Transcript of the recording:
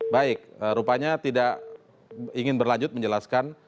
baik rupanya tidak ingin berlanjut menjelaskan